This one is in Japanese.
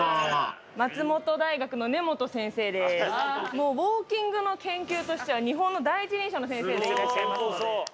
もうウオーキングの研究としては日本の第一人者の先生でいらっしゃいますので。